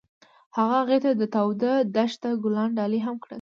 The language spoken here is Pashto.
هغه هغې ته د تاوده دښته ګلان ډالۍ هم کړل.